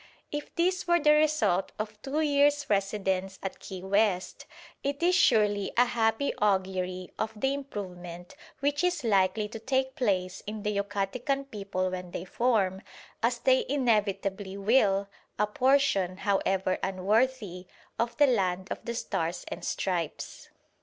If this were the result of two years' residence at Key West, it is surely a happy augury of the improvement which is likely to take place in the Yucatecan people when they form, as they inevitably will, a portion, however unworthy, of the Land of the Stars and Stripes.